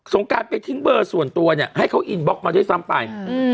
งการไปทิ้งเบอร์ส่วนตัวเนี่ยให้เขาอินบล็อกมาด้วยซ้ำไป